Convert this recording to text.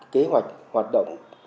kế hoạch hoạt động